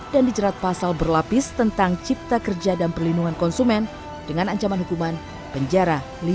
dan dijerat pasal berlapis tentang cipta kerja dan perlindungan konsumen dengan ancaman hukuman penjara